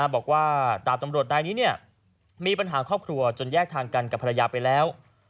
บอกว่าดาบตำรวจนายนี้มีปัญหาครอบครัวจนแยกทางกันกับภรรยาไปแล้ว